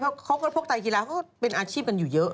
เพราะพวกแตกกีฬาเป็นอาชีพคนอยู่เยอะ